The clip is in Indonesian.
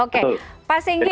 oke pak singgi